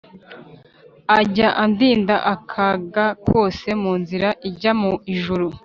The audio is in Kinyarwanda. Ajya andinda akaga kose munzira ijya mu ijuru